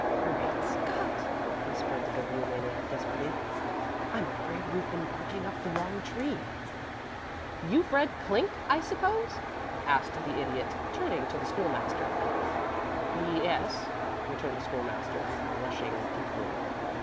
"Great Scott!" whispered the Bibliomaniac, desperately, "I'm afraid we've been barking up the wrong tree." "You've read Clink, I suppose?" asked the Idiot, turning to the School master. "Y yes," returned the School master, blushing deeply.